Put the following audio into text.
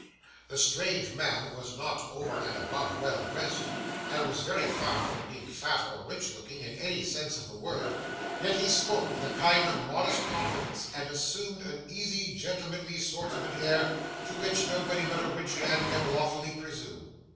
The strange man was not over and above well dressed, and was very far from being fat or rich looking in any sense of the word, yet he spoke with a kind of modest confidence, and assumed an easy, gentlemanly sort of an air, to which nobody but a rich man can lawfully presume.